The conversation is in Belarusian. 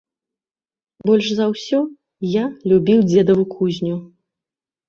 Больш за ўсё я любіў дзедаву кузню.